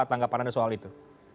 tanggapan anda soal itu